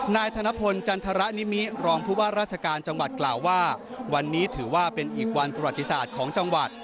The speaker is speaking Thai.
นายธนพลจันทรนิมิรองผู้ว่าราชการจังหวัดกล่าวว่าวันนี้ถือว่าเป็นอีกวันประวัติศาสตร์ของจังหวัด